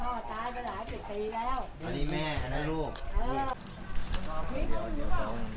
รักแม่เพื่อนครับห้องนี้ห้องบนห้องน้องห้องเดียวก็หมดแล้วครับ